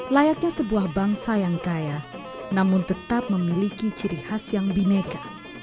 layaknya sebuah bangsa yang kaya namun tetap memiliki ciri khas yang bineka